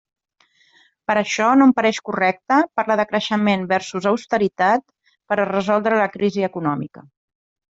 Per això, no em pareix correcte parlar de creixement versus austeritat per a resoldre la crisi econòmica.